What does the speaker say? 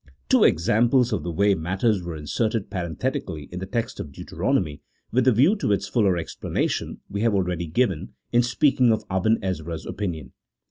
Two examples of the way matters were inserted parenthetically in the text of Deuteronomy, with a view to its fuller explanation, we have already given, in speaking of Aben Ezra's opinion.